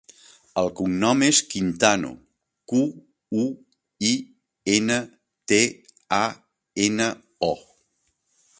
El cognom és Quintano: cu, u, i, ena, te, a, ena, o.